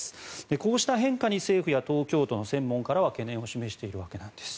こうした変化に政府や東京都の専門家らは懸念を示しているわけなんです。